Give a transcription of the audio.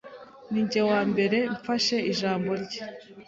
Ninjye wa mbere mfashe ijambo rye